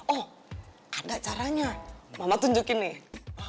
oh ada caranya mama tunjukin nih